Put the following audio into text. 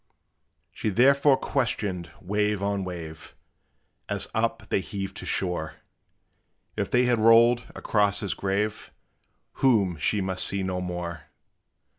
She therefore questioned wave on wave, As up they heaved to shore, If they had rolled across his grave, Whom she must see no more.